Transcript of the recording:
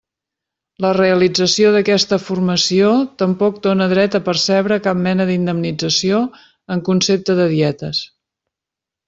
La realització d'aquesta formació tampoc dóna dret a percebre cap mena d'indemnització en concepte de dietes.